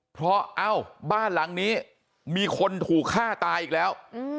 เพราะเอ้าบ้านหลังนี้มีคนถูกฆ่าตายอีกแล้ว